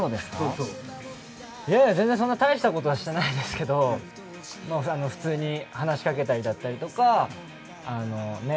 いやいや、全然そんなに大したことはしてないですけど普通に話しかけたりだったりとか、ね？